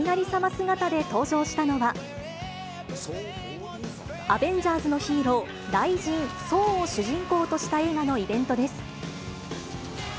姿で登場したのは、アベンジャーズのヒーロー、雷神、ソーを主人公とした映画のイベントです。